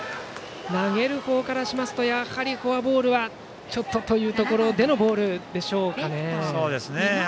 投げる方からしますとやはりフォアボールはちょっと、というところでのボールでしょうか。